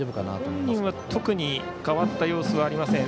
本人は特に変わった様子はありません。